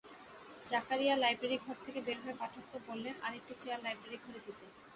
Zakaria library ঘর থেকে বের হয়ে পাঠককে বললেন আরেকটি চেয়ার লাইব্রেরি ঘরে দিতে।